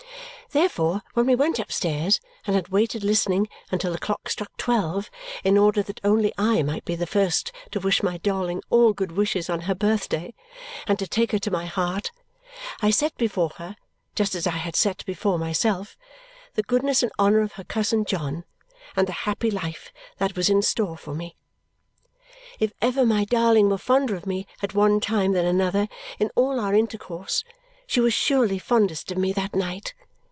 Therefore, when we went upstairs and had waited listening until the clock struck twelve in order that only I might be the first to wish my darling all good wishes on her birthday and to take her to my heart, I set before her, just as I had set before myself, the goodness and honour of her cousin John and the happy life that was in store for me. If ever my darling were fonder of me at one time than another in all our intercourse, she was surely fondest of me that night.